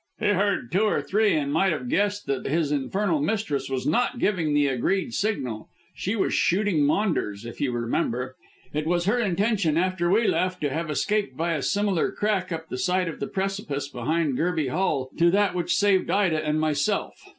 "He heard two or three, and might have guessed that his infernal mistress was not giving the agreed signal. She was shooting Maunders, if you remember. It was her intention after we left to have escaped by a similar crack up the side of the precipice behind Gerby Hall to that which saved Ida and myself.